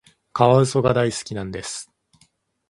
カワウソが大好きなんです。